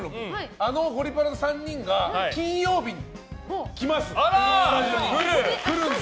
あのゴリパラの３人が金曜日に来ます、スタジオに。